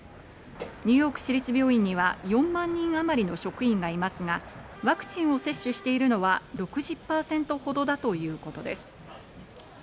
ニューヨーク市立病院には４万人あまりの職員がいますが、ワクチンを接種しているのは６０％ほどだということです。